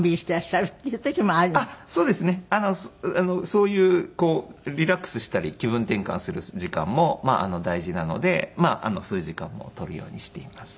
そういうリラックスしたり気分転換する時間も大事なのでそういう時間も取るようにしています。